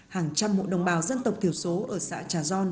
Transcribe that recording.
hàng trăm hộ đồng bào dân tộc thiểu số ở xã trà gion